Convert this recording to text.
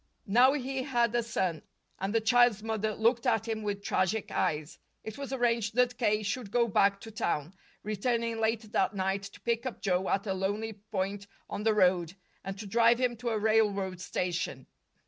Now he had a son, and the child's mother looked at him with tragic eyes. It was arranged that K. should go back to town, returning late that night to pick up Joe at a lonely point on the road, and to drive him to a railroad station.